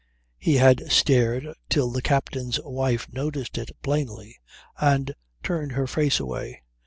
He had stared till the captain's wife noticed it plainly and turned her face away.